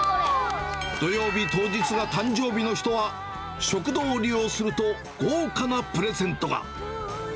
土曜日当日が誕生日の人は、食堂を利用すると、豪華なプレゼントが。